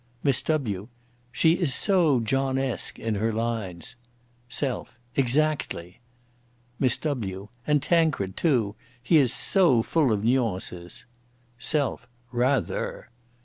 MISS W.: "She is so John esque in her lines." SELF: "Exactly!" MISS W.: "And Tancred, too—he is so full of nuances." SELF: "Rather!"